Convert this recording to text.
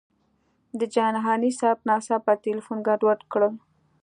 د جهاني صاحب ناڅاپه تیلفون ګډوډ کړل.